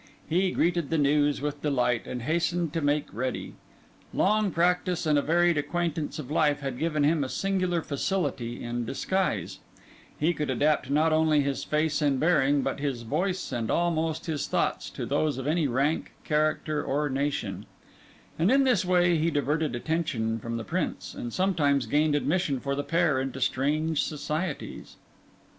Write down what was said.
He greeted the news with delight, and hastened to make ready. Long practice and a varied acquaintance of life had given him a singular facility in disguise; he could adapt not only his face and bearing, but his voice and almost his thoughts, to those of any rank, character, or nation; and in this way he diverted attention from the Prince, and sometimes gained admission for the pair into strange societies.